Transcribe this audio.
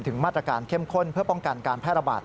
มาตรการเข้มข้นเพื่อป้องกันการแพร่ระบาด